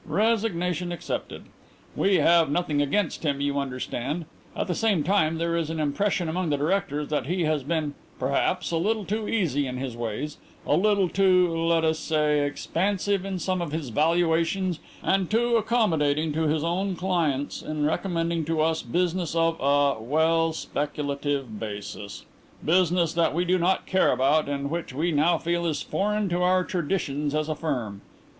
Resignation accepted. We have nothing against him, you understand. At the same time there is an impression among the directors that he has been perhaps a little too easy in his ways, a little too let us say, expansive, in some of his valuations and too accommodating to his own clients in recommending to us business of a well speculative basis; business that we do not care about and which we now feel is foreign to our traditions as a firm.